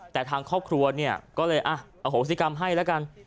แต่ทางครอบครัวเนี่ยก็เลยอโหสิกรรมให้แล้วกัน